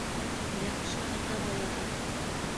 Яҡшы ата балаһы.